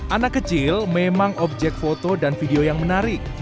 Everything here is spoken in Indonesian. anak kecil memang objek foto dan video yang menarik